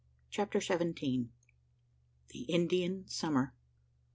CHAPTER SEVENTEEN. THE INDIAN SUMMER.